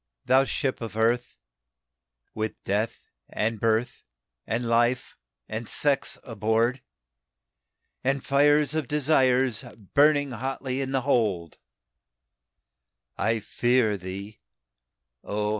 "Thou Ship of Earth, with Death, and Birth, and Life, and Sex aboard, And fires of Desires burning hotly in the hold, I fear thee, O!